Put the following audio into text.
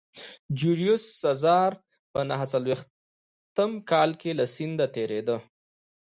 جیولیوس سزار په نهه څلوېښت کال کې له سیند تېرېده